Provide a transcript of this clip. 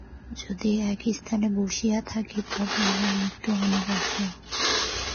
যদি একস্থানে বসিয়া থকি, তবে আমাদের মৃত্যু অনিবার্য।